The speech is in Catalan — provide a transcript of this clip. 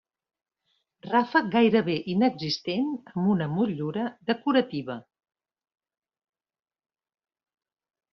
Ràfec gairebé inexistent amb una motllura decorativa.